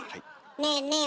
ねえねえ